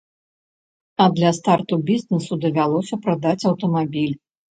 А для старту бізнэсу давялося прадаць аўтамабіль.